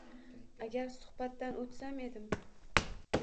Agar suhbatdan oʻtsam edim.